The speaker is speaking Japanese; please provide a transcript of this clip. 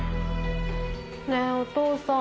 ねえお父さん。